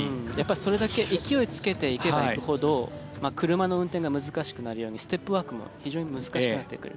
それだけ勢いつけていけばいくほど車の運転が難しくなるようにステップワークも非常に難しくなってくる。